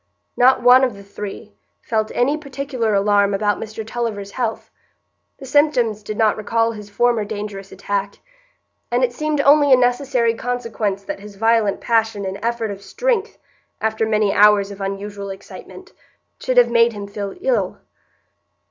Not one of the three felt any particular alarm about Mr Tulliver's health; the symptoms did not recall his former dangerous attack, and it seemed only a necessary consequence that his violent passion and effort of strength, after many hours of unusual excitement, should have made him feel ill.